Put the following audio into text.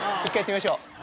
１回やってみましょう。